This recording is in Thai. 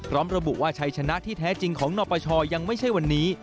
ระบุว่าชัยชนะที่แท้จริงของนปชยังไม่ใช่วันนี้